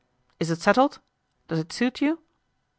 Is it settled? Does it suit you?"